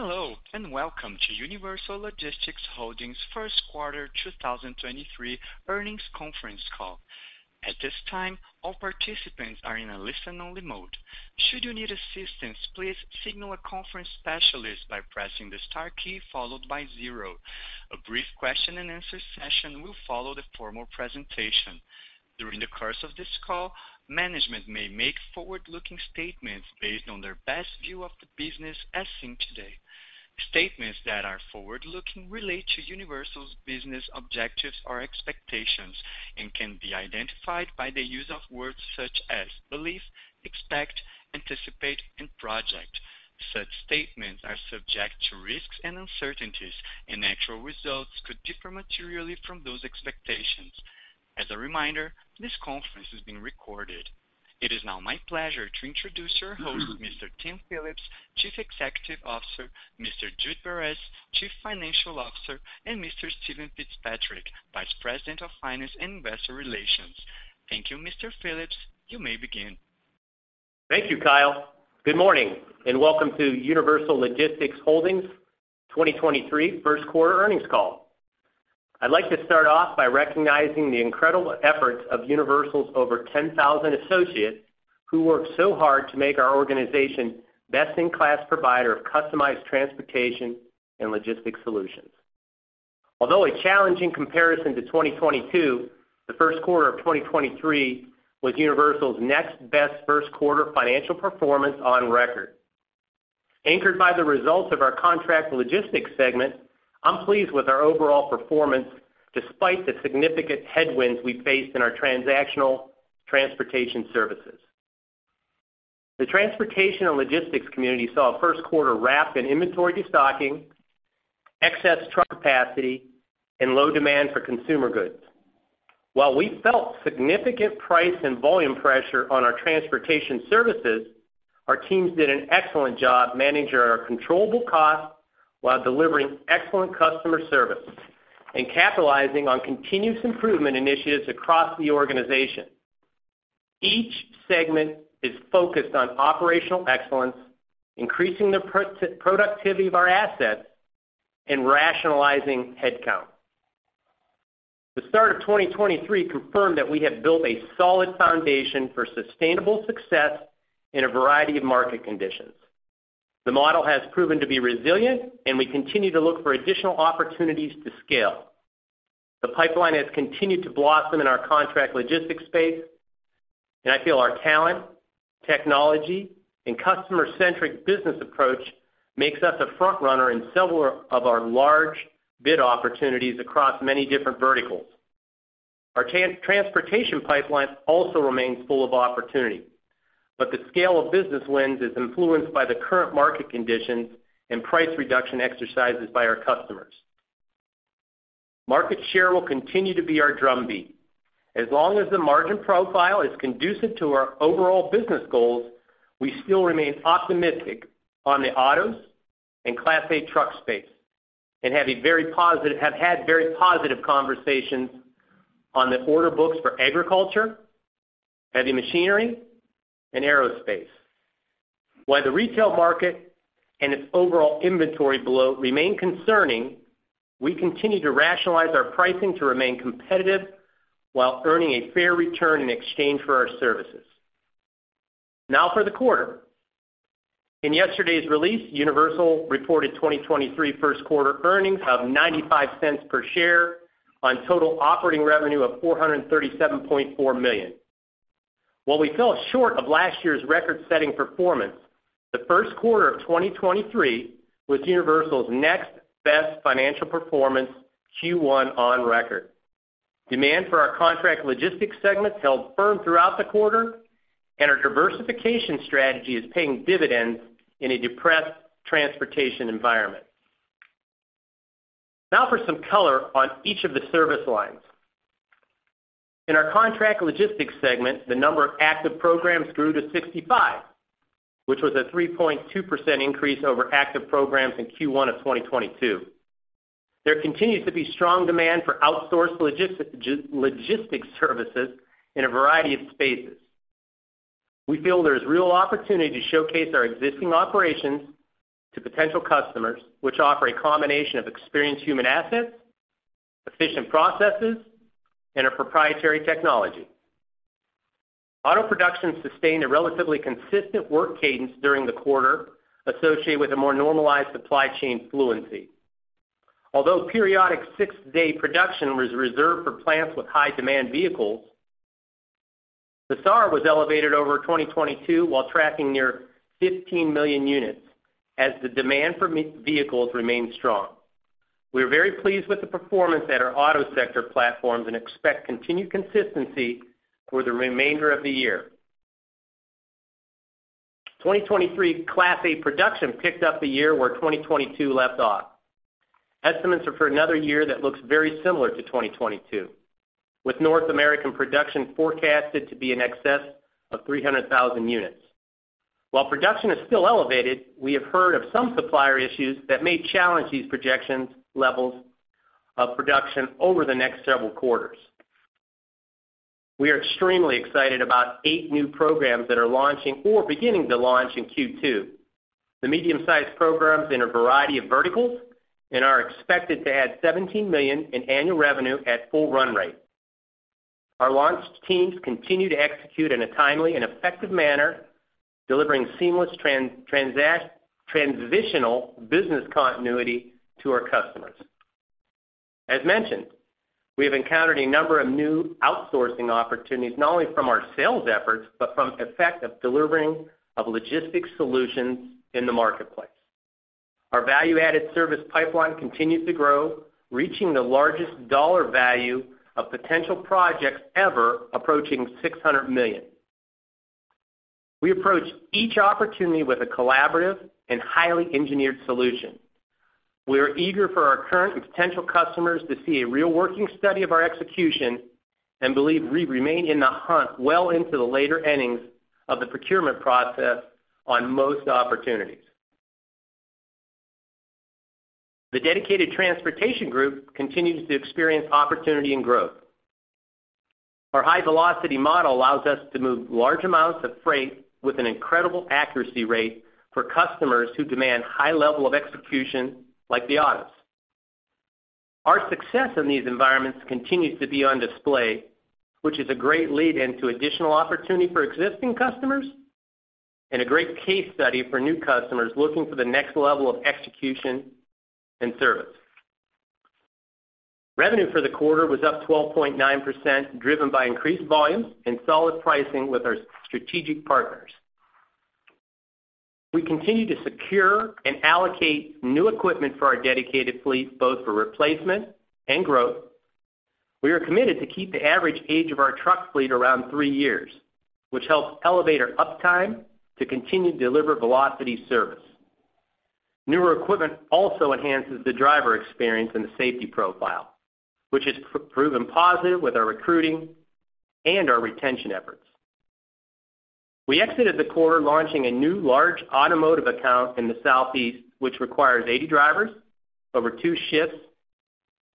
Hello, welcome to Universal Logistics Holdings First Quarter 2023 Earnings Conference Call. At this time, all participants are in a listen-only mode. Should you need assistance, please signal a conference specialist by pressing the star key followed by zero. A brief question-and-answer session will follow the formal presentation. During the course of this call, management may make forward-looking statements based on their best view of the business as seen today. Statements that are forward-looking relate to Universal's business objectives or expectations and can be identified by the use of words such as believe, expect, anticipate, and project. Such statements are subject to risks and uncertainties, and actual results could differ materially from those expectations. As a reminder, this conference is being recorded. It is now my pleasure to introduce your host, Mr. Tim Phillips, Chief Executive Officer, Mr. Jude Beres, Chief Financial Officer, and Mr. Steven Fitzpatrick, Vice President of Finance and Investor Relations. Thank you, Mr. Phillips. You may begin. Thank you, Kyle. Good morning, welcome to Universal Logistics Holdings 2023 First Quarter Earnings Call. I'd like to start off by recognizing the incredible efforts of Universal's over 10,000 associates who work so hard to make our organization best-in-class provider of customized transportation and logistics solutions. Although a challenging comparison to 2022, the first quarter of 2023 was Universal's next best first quarter financial performance on record. Anchored by the results of our contract logistics segment, I'm pleased with our overall performance despite the significant headwinds we faced in our transactional transportation services. The transportation and logistics community saw a first quarter wrap in inventory destocking, excess truck capacity, and low demand for consumer goods. While we felt significant price and volume pressure on our transportation services, our teams did an excellent job managing our controllable costs while delivering excellent customer service and capitalizing on continuous improvement initiatives across the organization. Each segment is focused on operational excellence, increasing the productivity of our assets, and rationalizing headcount. The start of 2023 confirmed that we have built a solid foundation for sustainable success in a variety of market conditions. The model has proven to be resilient, and we continue to look for additional opportunities to scale. The pipeline has continued to blossom in our contract logistics space, and I feel our talent, technology, and customer-centric business approach makes us a frontrunner in several of our large bid opportunities across many different verticals. Our transportation pipeline also remains full of opportunity, but the scale of business wins is influenced by the current market conditions and price reduction exercises by our customers. Market share will continue to be our drumbeat. As long as the margin profile is conducive to our overall business goals, we still remain optimistic on the autos and Class 8 truck space and have had very positive conversations on the order books for agriculture, heavy machinery, and Aerospace. While the retail market and its overall inventory below remain concerning, we continue to rationalize our pricing to remain competitive while earning a fair return in exchange for our services. Now for the quarter. In yesterday's release, Universal reported 2023 first quarter earnings of $0.95 per share on total operating revenue of $437.4 million. While we fell short of last year's record-setting performance, the first quarter of 2023 was Universal's next best financial performance Q1 on record. Demand for our contract logistics segments held firm throughout the quarter, and our diversification strategy is paying dividends in a depressed transportation environment. For some color on each of the service lines. In our contract logistics segment, the number of active programs grew to 65, which was a 3.2% increase over active programs in Q1 of 2022. There continues to be strong demand for outsourced logistics services in a variety of spaces. We feel there is real opportunity to showcase our existing operations to potential customers, which offer a combination of experienced human assets, efficient processes, and a proprietary technology. Auto production sustained a relatively consistent work cadence during the quarter, associated with a more normalized supply chain fluency. Although periodic six-day production was reserved for plants with high-demand vehicles, the SAAR was elevated over 2022 while tracking near 15 million units as the demand for vehicles remained strong. We are very pleased with the performance at our auto sector platforms and expect continued consistency for the remainder of the year. 2023 Class 8 production picked up the year where 2022 left off. Estimates are for another year that looks very similar to 2022, with North American production forecasted to be in excess of 300,000 units. While production is still elevated, we have heard of some supplier issues that may challenge these projections levels of production over the next several quarters. We are extremely excited about eight new programs that are launching or beginning to launch in Q2. The medium-sized programs in a variety of verticals and are expected to add $17 million in annual revenue at full run rate. Our launch teams continue to execute in a timely and effective manner, delivering seamless transitional business continuity to our customers. As mentioned, we have encountered a number of new outsourcing opportunities, not only from our sales efforts, but from effective delivering of logistics solutions in the marketplace. Our value-added service pipeline continues to grow, reaching the largest dollar value of potential projects ever, approaching $600 million. We approach each opportunity with a collaborative and highly engineered solution. We are eager for our current and potential customers to see a real working study of our execution and believe we remain in the hunt well into the later innings of the procurement process on most opportunities. The dedicated transportation group continues to experience opportunity and growth. Our high-velocity model allows us to move large amounts of freight with an incredible accuracy rate for customers who demand high level of execution like the autos. Our success in these environments continues to be on display, which is a great lead into additional opportunity for existing customers and a great case study for new customers looking for the next level of execution and service. Revenue for the quarter was up 12.9%, driven by increased volumes and solid pricing with our strategic partners. We continue to secure and allocate new equipment for our dedicated fleet, both for replacement and growth. We are committed to keep the average age of our truck fleet around three years, which helps elevate our uptime to continue to deliver velocity service. Newer equipment also enhances the driver experience and the safety profile, which has proven positive with our recruiting and our retention efforts. We exited the quarter launching a new large automotive account in the Southeast, which requires 80 drivers over two shifts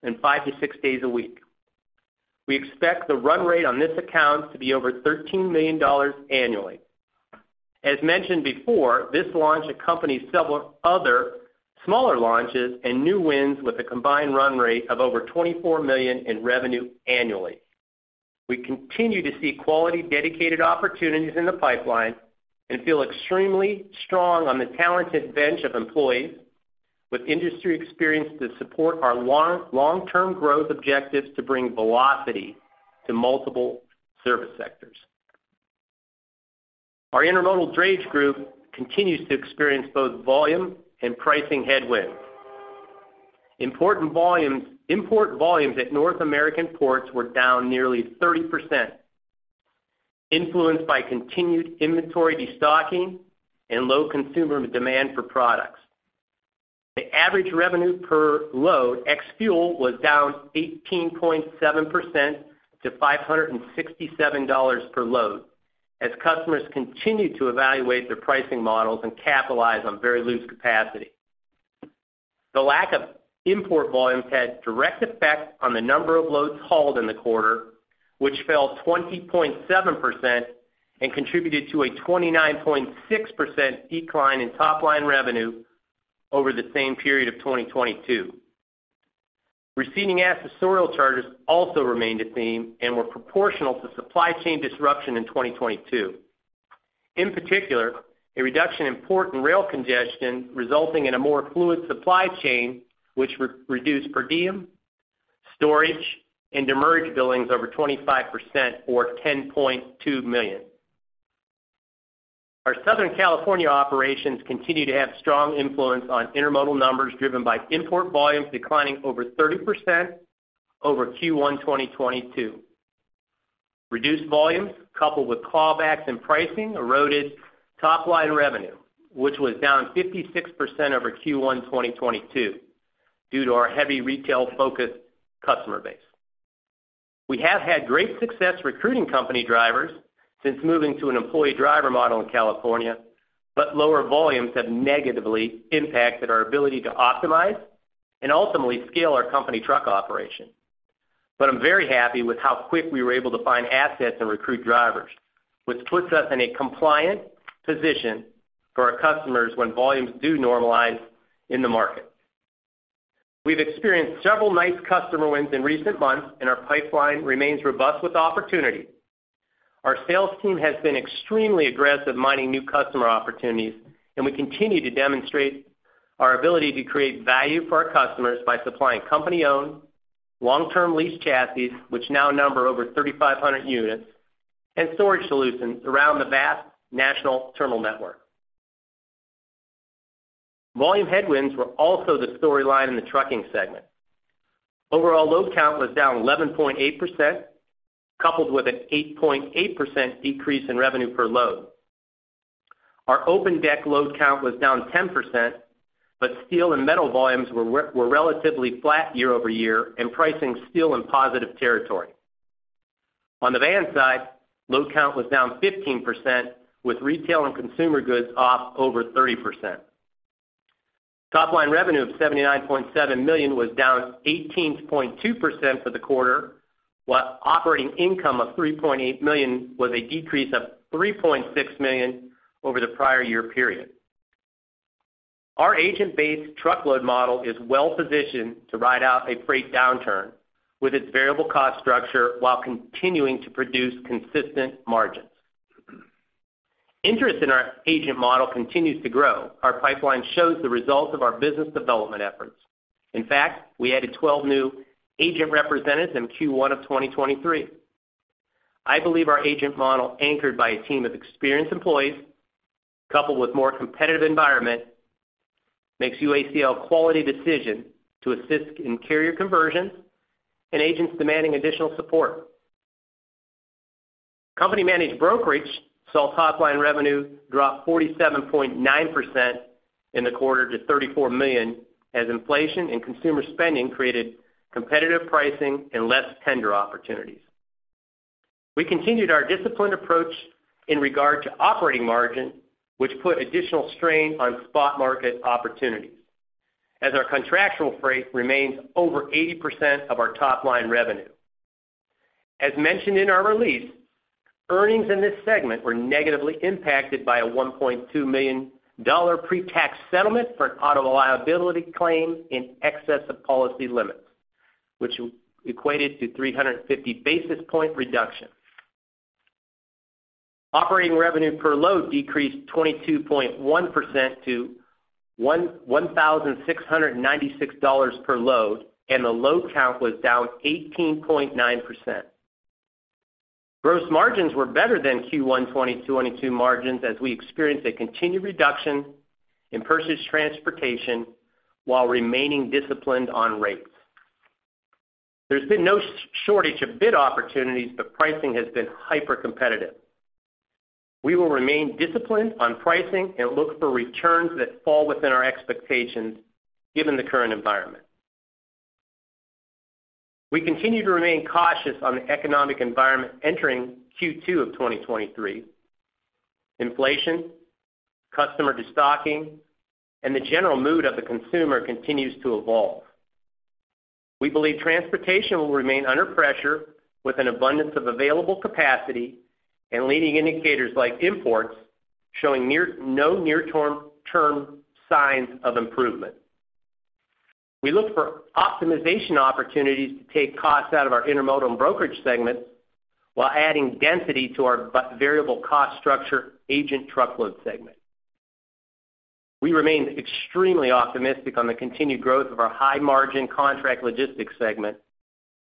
and five to six days a week. We expect the run rate on this account to be over $13 million annually. As mentioned before, this launch accompanies several other smaller launches and new wins with a combined run rate of over $24 million in revenue annually. We continue to see quality dedicated opportunities in the pipeline and feel extremely strong on the talented bench of employees with industry experience to support our long-term growth objectives to bring velocity to multiple service sectors. Our Intermodal Drayage Group continues to experience both volume and pricing headwinds. Import volumes at North American ports were down nearly 30%, influenced by continued inventory destocking and low consumer demand for products. The average revenue per load, ex-fuel, was down 18.7% to $567 per load as customers continued to evaluate their pricing models and capitalize on very loose capacity. The lack of import volumes had direct effect on the number of loads hauled in the quarter, which fell 20.7% and contributed to a 29.6% decline in top line revenue over the same period of 2022. Receding accessorial charges also remained a theme and were proportional to supply chain disruption in 2022. In particular, a reduction in port and rail congestion resulting in a more fluid supply chain, which re-reduced per diem, storage, and demurrage billings over 25% or $10.2 million. Our Southern California operations continue to have strong influence on Intermodal numbers, driven by import volumes declining over 30% over Q1 2022. Reduced volumes, coupled with callbacks and pricing, eroded top-line revenue, which was down 56% over Q1 2022 due to our heavy retail-focused customer base. We have had great success recruiting company drivers since moving to an employee driver model in California. Lower volumes have negatively impacted our ability to optimize and ultimately scale our company truck operation. I'm very happy with how quick we were able to find assets and recruit drivers, which puts us in a compliant position for our customers when volumes do normalize in the market. We've experienced several nice customer wins in recent months, and our pipeline remains robust with opportunity. Our sales team has been extremely aggressive mining new customer opportunities, and we continue to demonstrate our ability to create value for our customers by supplying company-owned long-term lease chassis, which now number over 3,500 units, and storage solutions around the vast national terminal network. Volume headwinds were also the storyline in the trucking segment. Overall load count was down 11.8%, coupled with an 8.8% decrease in revenue per load. Our open deck load count was down 10%, but steel and metal volumes were relatively flat year-over-year and pricing steel in positive territory. On the van side, load count was down 15%, with retail and consumer goods off over 30%. Top-line revenue of $79.7 million was down 18.2% for the quarter, while operating income of $3.8 million was a decrease of $3.6 million over the prior year period. Our agent-based truckload model is well-positioned to ride out a freight downturn with its variable cost structure while continuing to produce consistent margins. Interest in our agent model continues to grow. Our pipeline shows the results of our business development efforts. In fact, we added 12 new agent representatives in Q1 of 2023. I believe our agent model, anchored by a team of experienced employees, coupled with more competitive environment, makes UACL a quality decision to assist in carrier conversions and agents demanding additional support. Company-managed Brokerage saw top-line revenue drop 47.9% in the quarter to $34 million, as inflation and consumer spending created competitive pricing and less tender opportunities. We continued our disciplined approach in regard to operating margin, which put additional strain on spot market opportunities, as our contractual freight remains over 80% of our top line revenue. As mentioned in our release, earnings in this segment were negatively impacted by a $1.2 million pre-tax settlement for an auto liability claim in excess of policy limits, which equated to 350 basis point reduction. Operating revenue per load decreased 22.1% to $1,696 per load, and the load count was down 18.9%. Gross margins were better than Q1 2022 margins as we experienced a continued reduction in purchased transportation while remaining disciplined on rates. There's been no shortage of bid opportunities, but pricing has been hypercompetitive. We will remain disciplined on pricing and look for returns that fall within our expectations given the current environment. We continue to remain cautious on the economic environment entering Q2 of 2023. Inflation, customer de-stocking, and the general mood of the consumer continues to evolve. We believe transportation will remain under pressure with an abundance of available capacity and leading indicators like imports showing no near-term signs of improvement. We look for optimization opportunities to take costs out of our Intermodal and Brokerage segment while adding density to our variable cost structure agent truckload segment. We remain extremely optimistic on the continued growth of our high-margin contract logistics segment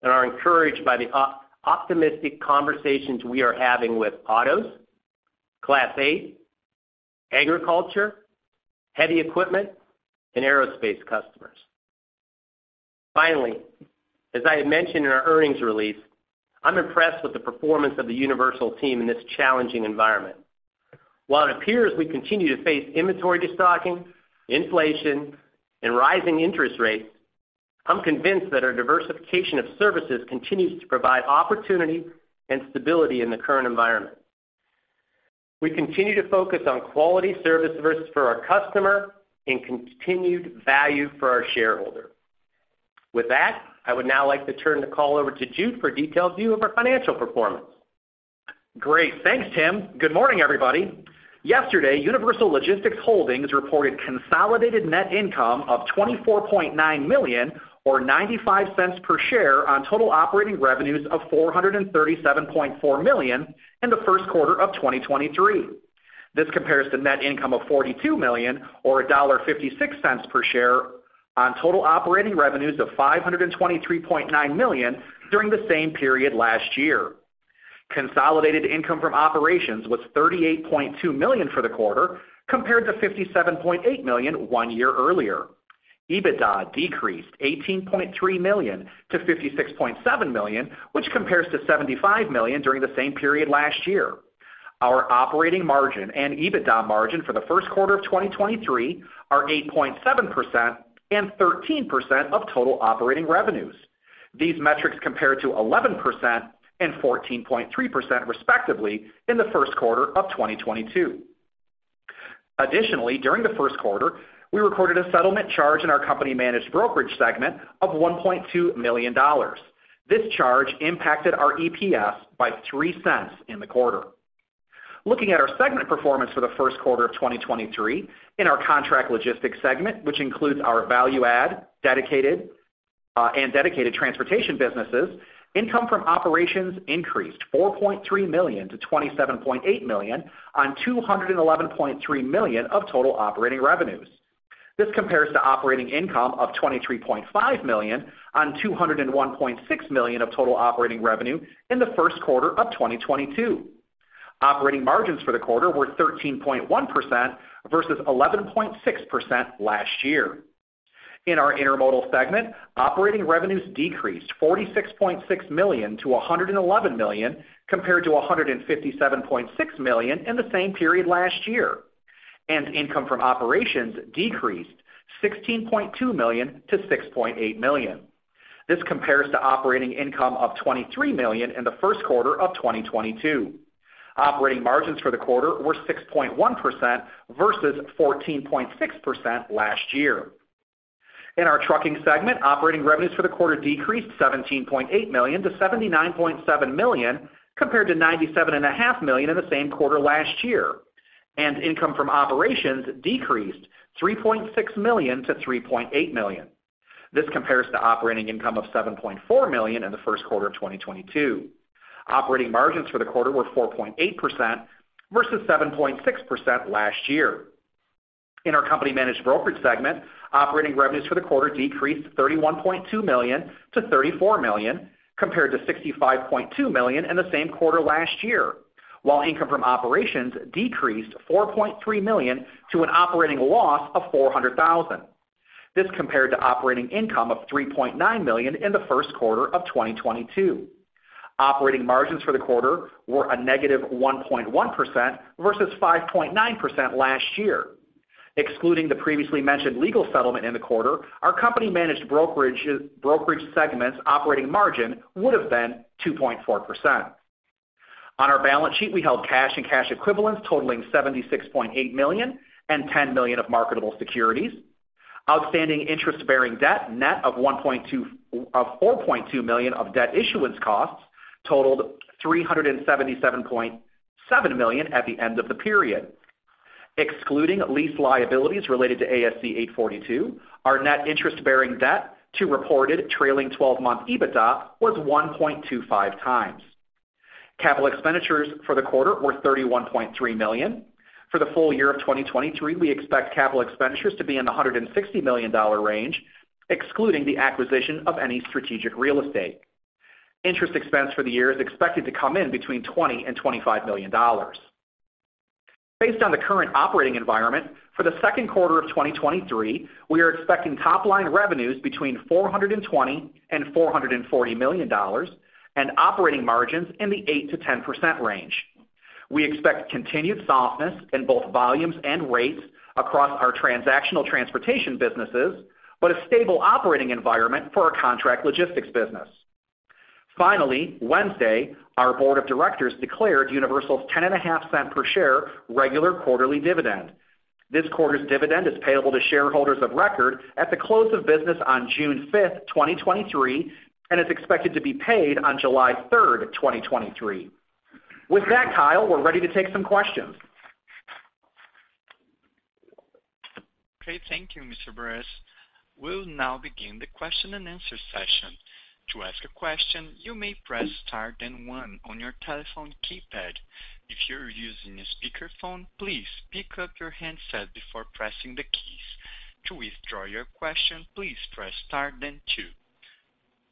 and are encouraged by the optimistic conversations we are having with autos, Class 8, agriculture, heavy equipment, and Aerospace customers. Finally, as I had mentioned in our earnings release, I'm impressed with the performance of the Universal team in this challenging environment. While it appears we continue to face inventory de-stocking, inflation, and rising interest rates, I'm convinced that our diversification of services continues to provide opportunity and stability in the current environment. We continue to focus on quality service for our customer and continued value for our shareholder. With that, I would now like to turn the call over to Jude for a detailed view of our financial performance. Great. Thanks, Tim. Good morning, everybody. Yesterday, Universal Logistics Holdings reported consolidated net income of $24.9 million or $0.95 per share on total operating revenues of $437.4 million in the first quarter of 2023. This compares to net income of $42 million or $1.56 per share on total operating revenues of $523.9 million during the same period last year. Consolidated income from operations was $38.2 million for the quarter, compared to $57.8 million one year earlier. EBITDA decreased $18.3 million to $56.7 million, which compares to $75 million during the same period last year. Our operating margin and EBITDA margin for the first quarter of 2023 are 8.7% and 13% of total operating revenues. These metrics compare to 11% and 14.3% respectively in the first quarter of 2022. Additionally, during the first quarter, we recorded a settlement charge in our company-managed Brokerage segment of $1.2 million. This charge impacted our EPS by $0.03 in the quarter. Looking at our segment performance for the first quarter of 2023, in our contract logistics segment, which includes our value add, dedicated, and dedicated transportation businesses, income from operations increased $4.3 million to $27.8 million on $211.3 million of total operating revenues. This compares to operating income of $23.5 million on $201.6 million of total operating revenue in the first quarter of 2022. Operating margins for the quarter were 13.1% versus 11.6% last year. In our Intermodal segment, operating revenues decreased $46.6 million to $111 million, compared to $157.6 million in the same period last year. Income from operations decreased $16.2 million to $6.8 million. This compares to operating income of $23 million in the first quarter of 2022. Operating margins for the quarter were 6.1% versus 14.6% last year. In our trucking segment, operating revenues for the quarter decreased $17.8 million to $79.7 million, compared to $97.5 million in the same quarter last year. Income from operations decreased $3.6 million to $3.8 million. This compares to operating income of $7.4 million in the first quarter of 2022. Operating margins for the quarter were 4.8% versus 7.6% last year. In our company managed Brokerage segment, operating revenues for the quarter decreased $31.2 million to $34 million, compared to $65.2 million in the same quarter last year, while income from operations decreased $4.3 million to an operating loss of $400,000. This compared to operating income of $3.9 million in the first quarter of 2022. Operating margins for the quarter were a -1.1% versus 5.9% last year. Excluding the previously mentioned legal settlement in the quarter, our company managed Brokerage segment's operating margin would have been 2.4%. On our balance sheet, we held cash and cash equivalents totaling $76.8 million and $10 million of marketable securities. Outstanding interest-bearing debt, net of $4.2 million of debt issuance costs, totaled $377.7 million at the end of the period. Excluding lease liabilities related to ASC 842, our net interest-bearing debt to reported trailing twelve-month EBITDA was 1.25x. Capital expenditures for the quarter were $31.3 million. For the full year of 2023, we expect capital expenditures to be in the $160 million range, excluding the acquisition of any strategic real estate. Interest expense for the year is expected to come in between $20 million and $25 million. Based on the current operating environment, for the second quarter of 2023, we are expecting top line revenues between $420 million and $440 million and operating margins in the 8%-10% range. We expect continued softness in both volumes and rates across our transactional transportation businesses, but a stable operating environment for our contract logistics business. Finally, Wednesday, our board of directors declared Universal's $0.105 per share regular quarterly dividend. This quarter's dividend is payable to shareholders of record at the close of business on June 5th, 2023, and is expected to be paid on July 3rd, 2023. With that, Kyle, we're ready to take some questions. Okay, thank you, Mr. Beres. We'll now begin the question-and-answer session. To ask a question, you may press star then one on your telephone keypad. If you're using a speakerphone, please pick up your handset before pressing the keys. To withdraw your question, please press Star then Two.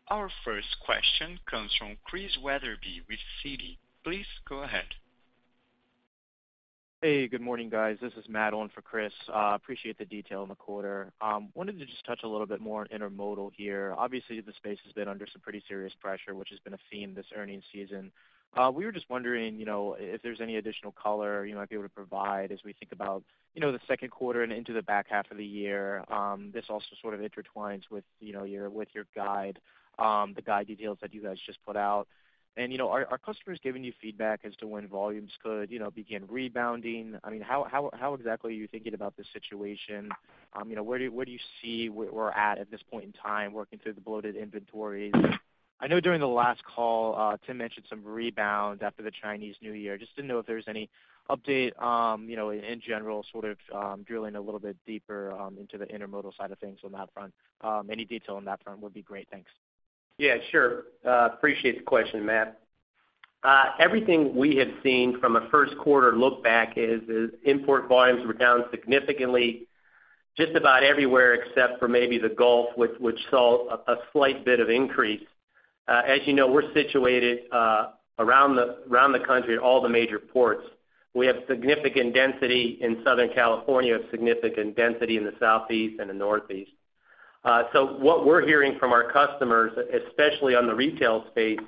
Our first question comes from Chris Wetherbee with Citi. Please go ahead. Hey, good morning, guys. This is Matt on for Chris. Appreciate the detail in the quarter. Wanted to just touch a little bit more on Intermodal here. Obviously, the space has been under some pretty serious pressure, which has been a theme this earnings season. We were just wondering, you know, if there's any additional color you might be able to provide as we think about, you know, the second quarter and into the back half of the year. This also sort of intertwines with, you know, with your guide, the guide details that you guys just put out. You know, are customers giving you feedback as to when volumes could, you know, begin rebounding? I mean, how exactly are you thinking about this situation? You know, where do you see we're at this point in time working through the bloated inventories? I know during the last call, Tim mentioned some rebound after the Chinese New Year. Just to know if there's any update, you know, in general, sort of, drilling a little bit deeper, into the Intermodal side of things on that front. Any detail on that front would be great. Thanks. Yeah, sure. appreciate the question, Matt. everything we have seen from a first quarter look back is import volumes were down significantly just about everywhere except for maybe the Gulf, which saw a slight bit of increase. as you know, we're situated around the country, all the major ports. We have significant density in Southern California, significant density in the Southeast and the Northeast. What we're hearing from our customers, especially on the retail space,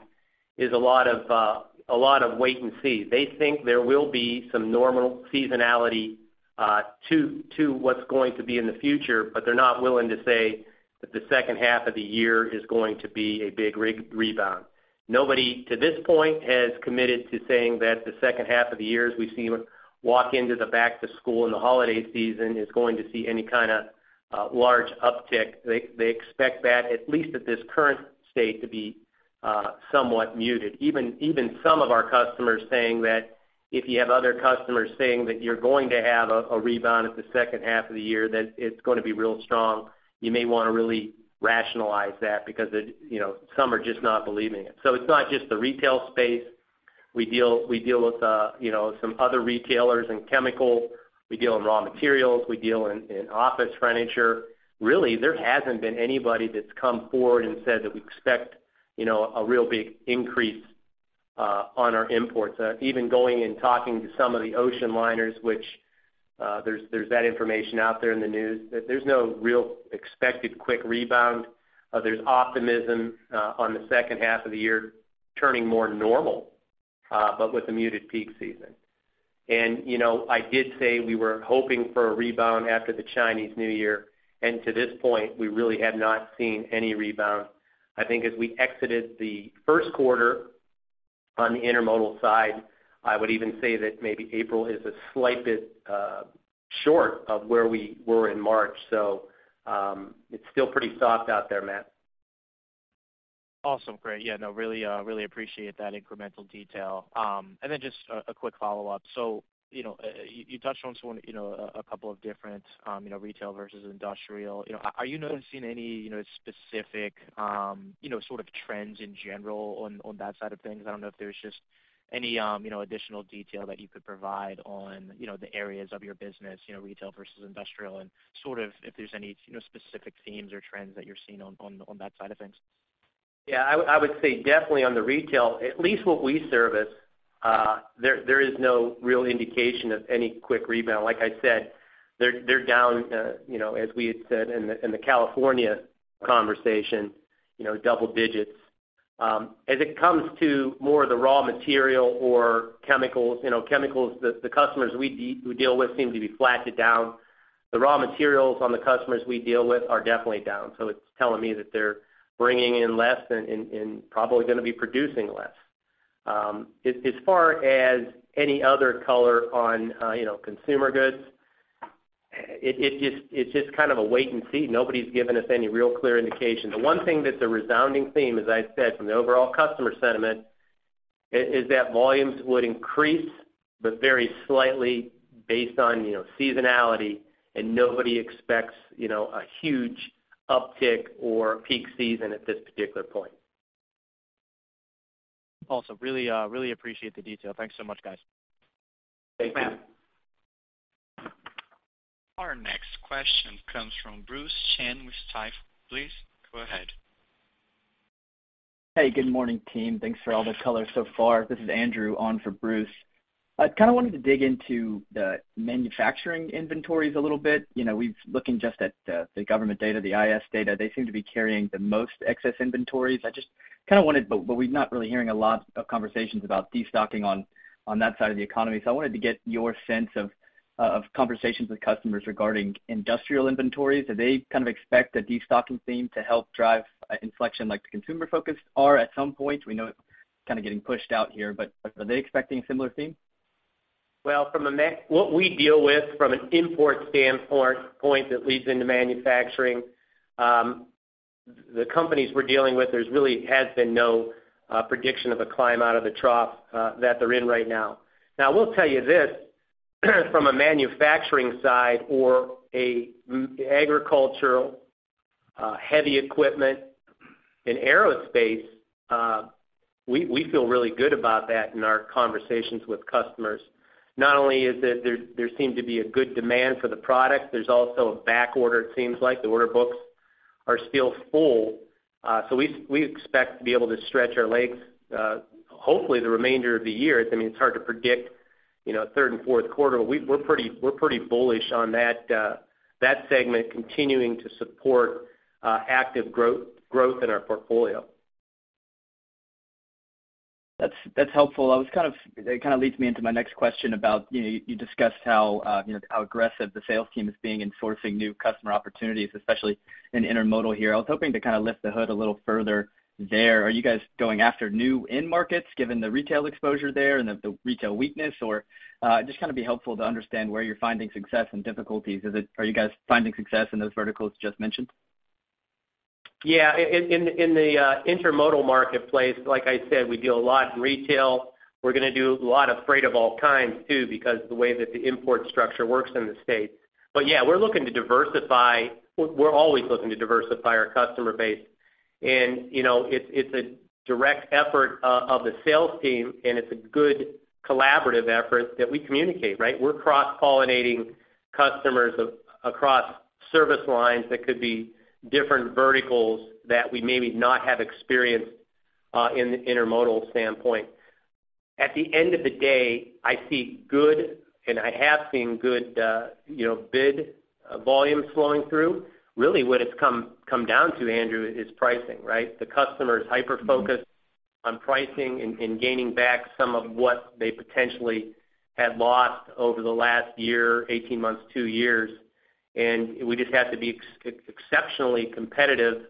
is a lot of wait and see. They think there will be some normal seasonality to what's going to be in the future, but they're not willing to say that the second half of the year is going to be a big rebound. Nobody, to this point, has committed to saying that the second half of the year, as we see them walk into the back to school and the holiday season, is going to see any kinda large uptick. They expect that, at least at this current state, to be somewhat muted. Even some of our customers saying that if you have other customers saying that you're going to have a rebound at the second half of the year, that it's gonna be real strong, you may wanna really rationalize that because it, you know, some are just not believing it. It's not just the retail space. We deal with, you know, some other retailers in chemical, we deal in raw materials, we deal in office furniture. Really, there hasn't been anybody that's come forward and said that we expect, you know, a real big increase on our imports. Even going and talking to some of the ocean liners, which there's that information out there in the news that there's no real expected quick rebound. There's optimism on the second half of the year turning more normal, but with a muted peak season. You know, I did say we were hoping for a rebound after the Chinese New Year, and to this point, we really have not seen any rebound. I think as we exited the first quarter on the Intermodal side, I would even say that maybe April is a slight bit short of where we were in March. It's still pretty soft out there, Matt. Awesome. Great. Yeah, no, really, really appreciate that incremental detail. Just a quick follow-up. You know, you touched on some, you know, a couple of different, you know, retail versus industrial. You know, are you noticing any, you know, specific, you know, sort of trends in general on that side of things? I don't know if there's just any, you know, additional detail that you could provide on, you know, the areas of your business, you know, retail versus industrial, and sort of if there's any, you know, specific themes or trends that you're seeing on that side of things. I would say definitely on the retail, at least what we service, there is no real indication of any quick rebound. Like I said, they're down, you know, as we had said in the California conversation, you know, double digits. As it comes to more of the raw material or chemicals, you know, chemicals that the customers we deal with seem to be flat to down. The raw materials on the customers we deal with are definitely down, so it's telling me that they're bringing in less and probably gonna be producing less. As far as any other color on, you know, consumer goods, it just, it's just kind of a wait and see. Nobody's given us any real clear indication. The one thing that's a resounding theme, as I said, from the overall customer sentiment is that volumes would increase, but very slightly based on, you know, seasonality and nobody expects, you know, a huge uptick or peak season at this particular point. Awesome. Really, really appreciate the detail. Thanks so much, guys. Thank you. Our next question comes from Bruce Chan with Stifel. Please go ahead. Hey, good morning, team. Thanks for all the color so far. This is Andrew on for Bruce. I kind of wanted to dig into the manufacturing inventories a little bit. You know, looking just at the government data, the ISM data, they seem to be carrying the most excess inventories. We're not really hearing a lot of conversations about destocking on that side of the economy. I wanted to get your sense of conversations with customers regarding industrial inventories. Do they kind of expect a destocking theme to help drive an inflection like the consumer focused are at some point? We know it's kinda getting pushed out here, are they expecting a similar theme? Well, from what we deal with from an import standpoint that leads into manufacturing, the companies we're dealing with, there's really has been no prediction of a climb out of the trough that they're in right now. I will tell you this, from a manufacturing side or agricultural, heavy equipment in Aerospace, we feel really good about that in our conversations with customers. Not only is there seem to be a good demand for the product, there's also a back order, it seems like. The order books are still full. We expect to be able to stretch our legs, hopefully the remainder of the year. I mean, it's hard to predict, you know, third and fourth quarter. We're pretty bullish on that segment continuing to support active growth in our portfolio. That's helpful. It kind of leads me into my next question about, you know, you discussed how, you know, how aggressive the sales team is being in sourcing new customer opportunities, especially in Intermodal here. I was hoping to kind of lift the hood a little further there. Are you guys going after new end markets given the retail exposure there and the retail weakness? just kinda be helpful to understand where you're finding success and difficulties. Are you guys finding success in those verticals just mentioned? Yeah. In the Intermodal marketplace, like I said, we do a lot in retail. We're gonna do a lot of freight of all kinds too because the way that the import structure works in the States. Yeah, we're looking to diversify. We're always looking to diversify our customer base. You know, it's a direct effort of the sales team, and it's a good collaborative effort that we communicate, right? We're cross-pollinating customers across service lines that could be different verticals that we maybe not have experienced in the Intermodal standpoint. At the end of the day, I see good, and I have seen good, you know, bid volumes flowing through. Really what it's come down to, Andrew, is pricing, right? The customer is hyper-focused on pricing and gaining back some of what they potentially had lost over the last year, 18 months, 2 years. We just have to be exceptionally competitive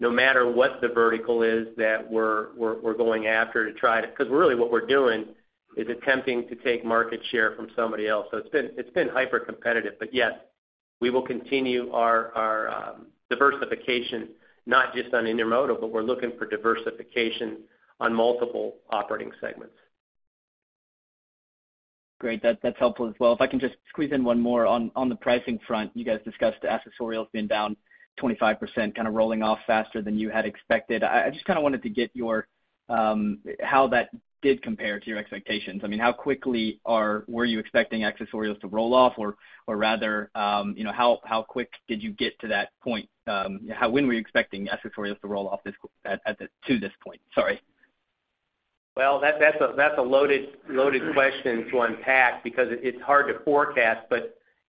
no matter what the vertical is that we're going after. 'Cause really what we're doing is attempting to take market share from somebody else. It's been hypercompetitive. Yes, we will continue our diversification, not just on Intermodal, but we're looking for diversification on multiple operating segments. Great. That's helpful as well. If I can just squeeze in one more on the pricing front, you guys discussed accessorials being down 25%, kind of rolling off faster than you had expected. I just kinda wanted to get your how that did compare to your expectations. I mean, how quickly were you expecting accessorials to roll off or rather, you know, how quick did you get to that point? How, when were you expecting accessorials to roll off to this point? Sorry. Well, that's a loaded question to unpack because it's hard to forecast.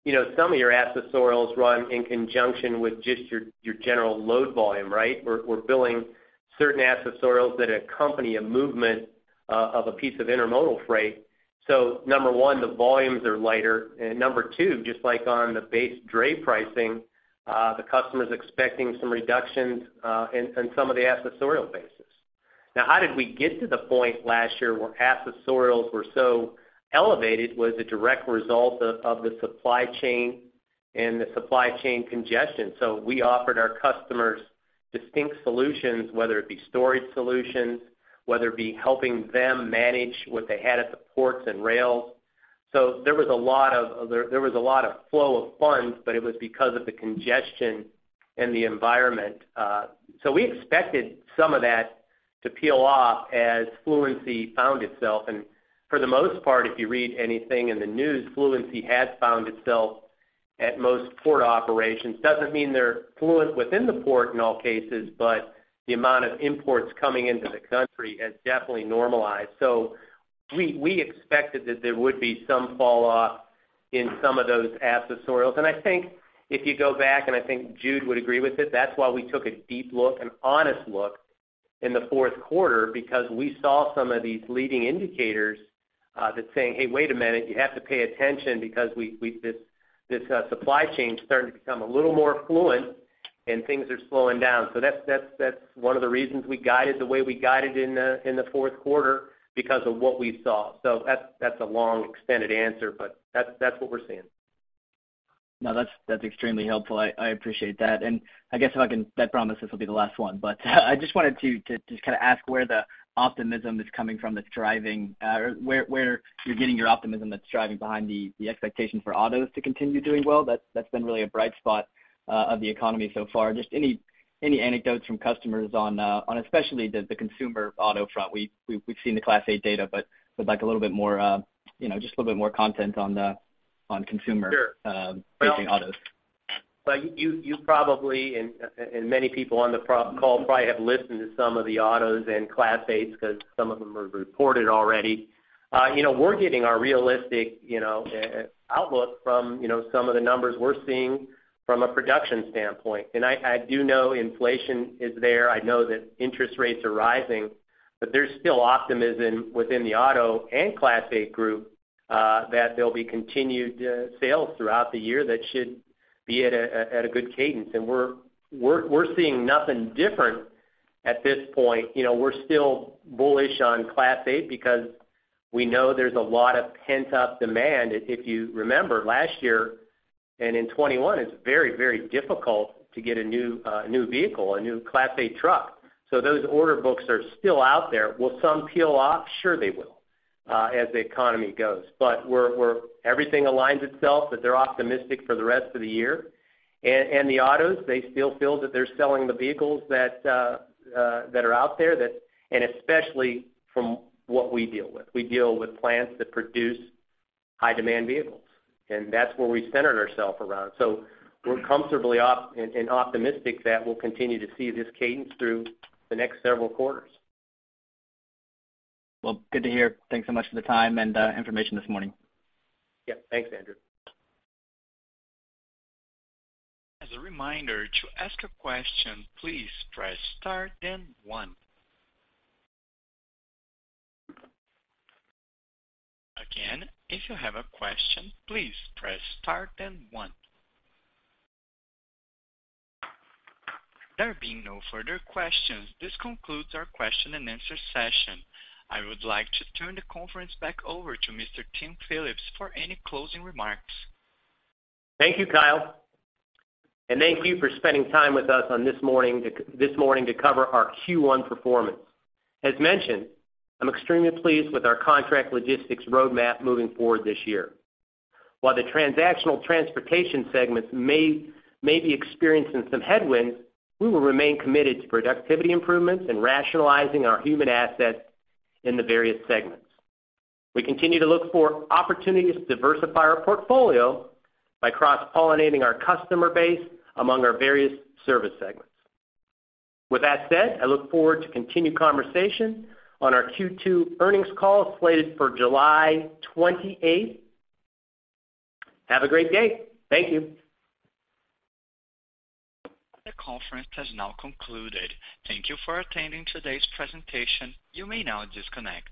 You know, some of your accessorials run in conjunction with just your general load volume, right? We're billing certain accessorials that accompany a movement of a piece of intermodal freight. Number one, the volumes are lighter. Number two, just like on the base dray pricing, the customer's expecting some reductions in some of the accessorial basis. How did we get to the point last year where accessorials were so elevated was a direct result of the supply chain and the supply chain congestion. We offered our customers distinct solutions, whether it be storage solutions, whether it be helping them manage what they had at the ports and rails. There was a lot of flow of funds, but it was because of the congestion and the environment. We expected some of that to peel off as fluency found itself. For the most part, if you read anything in the news, fluency has found itself at most port operations. Doesn't mean they're fluent within the port in all cases, but the amount of imports coming into the country has definitely normalized. We expected that there would be some fall off in some of those accessorials. I think if you go back, and I think Jude would agree with it, that's why we took a deep look, an honest look in the fourth quarter because we saw some of these leading indicators, that's saying, "Hey, wait a minute. You have to pay attention because we this supply chain is starting to become a little more fluent and things are slowing down." That's one of the reasons we guided the way we guided in the fourth quarter because of what we saw. That's a long extended answer, but that's what we're seeing. No, that's extremely helpful. I appreciate that. I guess if I can I promise this will be the last one, but I just wanted to just kinda ask where the optimism is coming from that's driving, or where you're getting your optimism that's driving behind the expectation for autos to continue doing well. That's, that's been really a bright spot, of the economy so far. Just any anecdotes from customers on especially the consumer auto front. We've seen the Class 8 data, but we'd like a little bit more, you know, just a little bit more content on the, on consumer facing autos. You probably, and many people on the call probably have listened to some of the autos and Class 8 because some of them are reported already. You know, we're getting our realistic, you know, outlook from, you know, some of the numbers we're seeing from a production standpoint. I do know inflation is there. I know that interest rates are rising, but there's still optimism within the auto and Class 8 group that there'll be continued sales throughout the year that should be at a good cadence. We're seeing nothing different at this point. You know, we're still bullish on Class 8 because we know there's a lot of pent-up demand. If you remember last year, and in 2021, it's very difficult to get a new vehicle, a new Class 8 truck. Those order books are still out there. Will some peel off? Sure they will, as the economy goes. We're everything aligns itself that they're optimistic for the rest of the year. And the autos, they still feel that they're selling the vehicles that are out there, and especially from what we deal with. We deal with plants that produce high demand vehicles, and that's where we centered ourself around. We're comfortably and optimistic that we'll continue to see this cadence through the next several quarters. Well, good to hear. Thanks so much for the time and information this morning. Yeah. Thanks, Andrew. As a reminder, to ask a question, please press star, then one. Again, if you have a question, please press star, then one. There being no further questions, this concludes our question-and-answer session. I would like to turn the conference back over to Mr. Tim Phillips for any closing remarks. Thank you, Kyle, and thank you for spending time with us on this morning to cover our Q1 performance. As mentioned, I'm extremely pleased with our contract logistics roadmap moving forward this year. While the transactional transportation segments may be experiencing some headwinds, we will remain committed to productivity improvements and rationalizing our human assets in the various segments. We continue to look for opportunities to diversify our portfolio by cross-pollinating our customer base among our various service segments. With that said, I look forward to continued conversation on our Q2 earnings call slated for July 28th. Have a great day. Thank you. The conference has now concluded. Thank you for attending today's presentation. You may now disconnect.